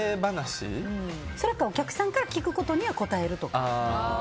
それかお客さんから聞かれたことには答えるとか。